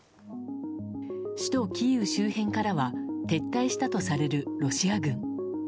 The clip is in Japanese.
首都キーウ周辺からは撤退したとされるロシア軍。